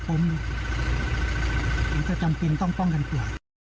ผมจะจำเป็นต้องป้องกันตัว